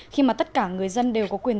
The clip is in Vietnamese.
khi mà tất cả người dân đều có quyền